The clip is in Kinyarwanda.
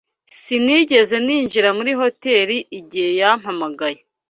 Sinigeze ninjira muri hoteri igihe yampamagaye.